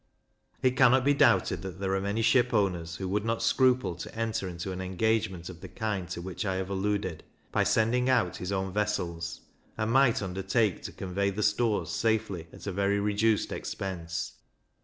It cannot be doubted that there are many ship owners who would not scruple to enter into an engagement of the kind to which I have alluded, by sending out his own vessels, and might undertake to convey the stores safely at a very reduced expense.